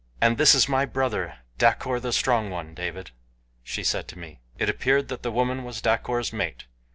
"And this is my brother, Dacor the Strong One, David," she said to me. It appeared that the woman was Dacor's mate.